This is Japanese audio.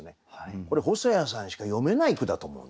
これ細谷さんしか詠めない句だと思うんですよね。